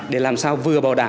để làm sao vừa bảo đảm